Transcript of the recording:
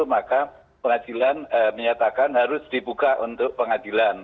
maka pengadilan menyatakan harus dibuka untuk pengadilan